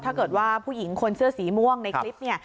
ถ้าเกิดว่าผู้หญิงคนเสื้อสีม่วงในคลิปเนี่ย